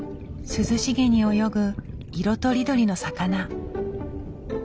涼しげに泳ぐ色とりどりの魚。